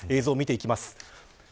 映像、見ていきます。